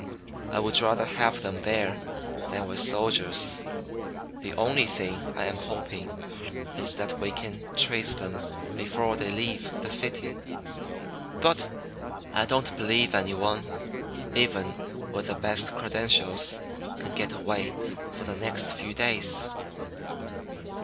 I would rather have them there than with soldiers. The only thing I am hoping is that we can trace them before they leave the city. But I don't believe anyone, even with the best credentials, can get away for the next few days."